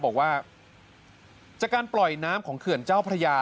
บอกว่าจากการปล่อยน้ำของเขื่อนเจ้าพระยา